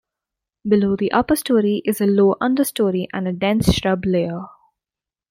Below the upper story is a low understory and a dense shrub layer.